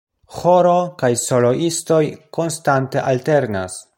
Ĥoro kaj soloistoj konstante alternas.